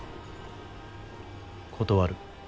断る。